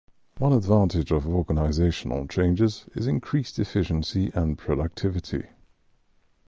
One advantage of organizational changes is increased efficiency and productivity.